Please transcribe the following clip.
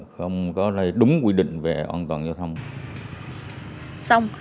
không có đúng quy định về an toàn giao thông